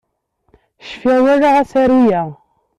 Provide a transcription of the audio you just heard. Cfiɣ walaɣ asaru-a.